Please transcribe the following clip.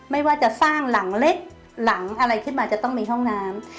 ไม่ว่าจะสร้างหลังเล็กหลังอะไรขึ้นมาจะต้องมีห้องน้ำ